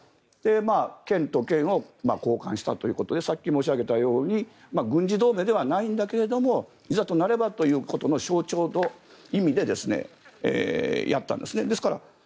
剣と剣を交換したということでさっき申し上げたように軍事同盟ではないんだけれどもいざとなればということの象徴の意味でやったんですね。